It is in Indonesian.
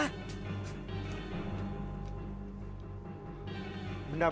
aku akan mencari